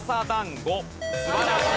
素晴らしい！